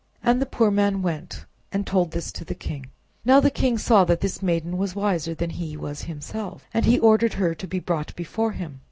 And the poor man went and told this to the king. Now the king saw that this maiden was wiser that he was himself, and he ordered her to be brought before him.